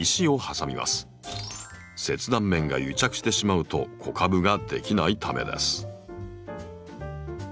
切断面が癒着してしまうと子株が出来ないためです。